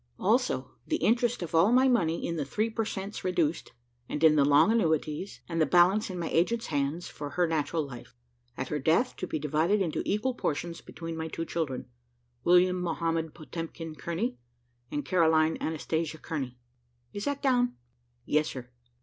"Also, the interest of all my money in the three per cents reduced, and in the long annuities, and the balance in my agent's hands, for her natural life. At her death to be divided into equal portions between my two children, William Mohamed Potemkin Kearney, and Caroline Anastasia Kearney. Is that down?" "Yes, sir."